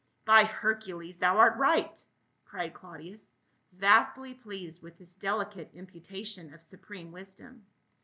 " By Hercules, thou art right 1" cried Claudius, IS 2'!^ I'A If'.h. vastly pleased with this delicate imputation of supreme wisdom.